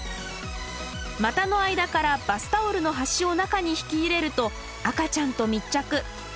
股の間からバスタオルの端を中に引き入れると赤ちゃんと密着。